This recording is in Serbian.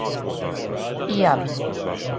И ја би.